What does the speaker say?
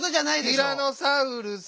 「ティラノサウルス」。